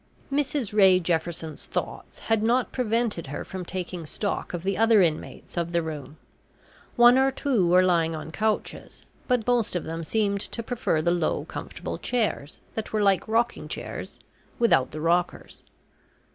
Mrs Ray Jefferson's thoughts had not prevented her from taking stock of the other inmates of the room. One or two were lying on couches, but most of them seemed to prefer the low comfortable chairs, that were like rocking chairs without the rockers.